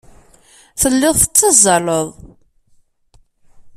Telliḍ tettazzaleḍ.